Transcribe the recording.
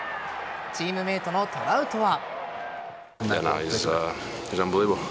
チームメイトのトラウトは。